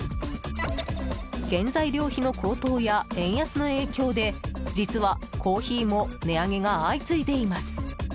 原材料費の高騰や円安の影響で実は、コーヒーも値上げが相次いでいます。